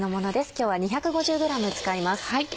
今日は２５０ｇ使います。